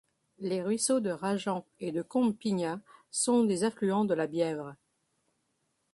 Les ruisseaux de Rajan et de Combe Pigna sont des affluents de la Bièvre.